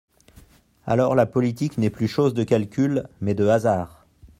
Alors la politique n’est plus chose de calcul, mais de ha sard.